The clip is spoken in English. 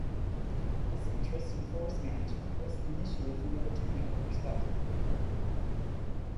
His interest in forest management was initially from a botanical perspective.